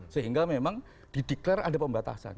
sehingga memang dideklarasi ada pembatasan